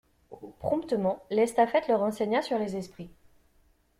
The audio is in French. Promptement, l'estafette le renseigna sur les esprits.